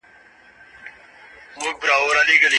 کمپيوټر فولډرونه له منځه وړي.